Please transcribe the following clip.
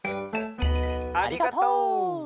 ありがとう。